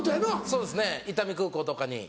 そうですね伊丹空港とかに。